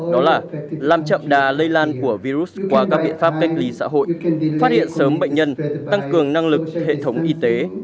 đó là làm chậm đà lây lan của virus qua các biện pháp cách ly xã hội phát hiện sớm bệnh nhân tăng cường năng lực hệ thống y tế